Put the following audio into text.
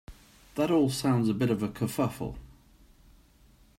That all sounds a bit of a kerfuffle.